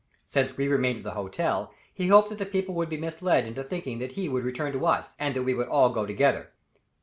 Since we remained at the hotel, he hoped that the people would be misled into thinking that he would return to us, and that we would all go together.